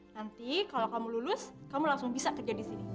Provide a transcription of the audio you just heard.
nanti kalau kamu lulus kamu langsung bisa kerja di sini